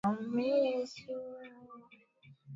aa za usafiri hasa katika masuala ya nauli